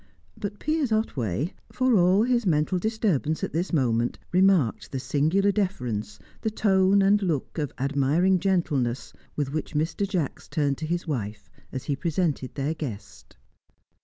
But Piers Otway, for all his mental disturbance at this moment, remarked the singular deference, the tone and look of admiring gentleness, with which Mr. Jacks turned to his wife as he presented their guest.